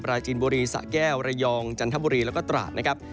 จีนบุรีสะแก้วระยองจันทบุรีแล้วก็ตราดนะครับ